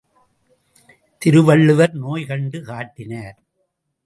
திருவள்ளுவர் நோய் கண்டு காட்டினார்.